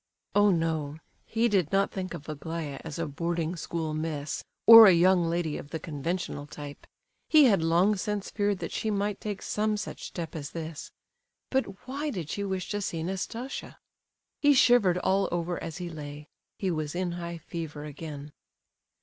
Oh, no, he did not think of Aglaya as a boarding school miss, or a young lady of the conventional type! He had long since feared that she might take some such step as this. But why did she wish to see Nastasia? He shivered all over as he lay; he was in high fever again.